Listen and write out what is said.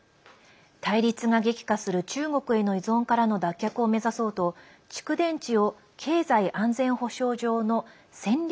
対立が激化する中国への依存からの脱却を目指そうと蓄電池を経済安全保障上の戦略